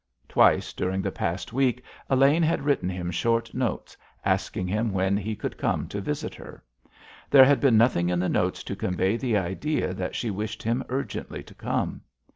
Twice during the past week Elaine had written him short notes asking him when he could come to visit her. There had been nothing in the notes to convey the idea that she wished him urgently to come.